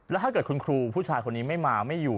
แล้วถ้าเกิดคุณครูผู้ชายคนนี้ไม่มาไม่อยู่